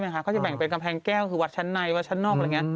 อยู่ทางหน้าทางเข้าใจดีทางเข้า